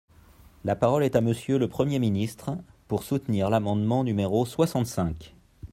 La parole est à Monsieur le Premier ministre, pour soutenir l’amendement numéro soixante-cinq.